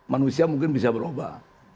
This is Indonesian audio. manusia mungkin bisa berubah